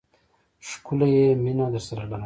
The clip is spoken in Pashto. ښکلی یې، مینه درسره لرم